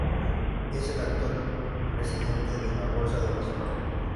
Es el actual presidente de la Bolsa de Barcelona.